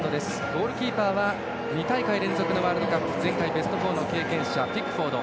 ゴールキーパーは２大会連続のワールドカップ前回ベスト４の経験者ピックフォード。